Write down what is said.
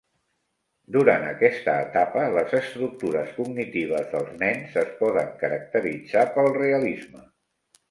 Durant aquesta etapa, les estructures cognitives dels nens es poden caracteritzar pel realisme.